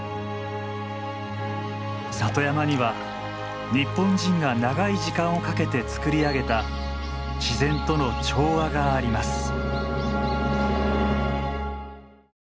里山には日本人が長い時間をかけて作り上げた自然との調和があります。